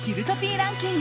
ランキング。